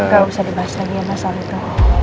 enggak usah dibahas lagi ya mas soal itu